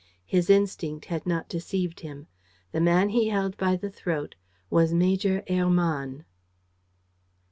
His instinct had not deceived him: the man he held by the throat was Major Hermann.